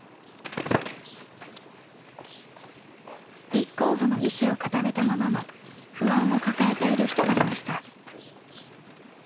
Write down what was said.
立候補の意思を固めたものの不安を抱えている人がいました。